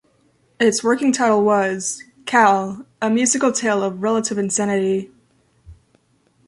Its working title was "Cal: A Musical Tale of Relative Insanity".